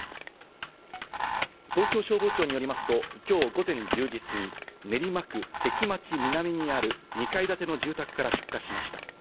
東京消防庁によりますと、今日午前１０時過ぎ、練馬区関町南にある２階建ての住宅から出火しました。